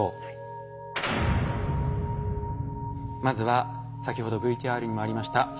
まずは先ほどＶＴＲにもありました